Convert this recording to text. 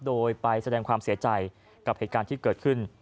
โดยไปแสดงความเสียใจกับเหตุการณ์ที่เกิดขึ้น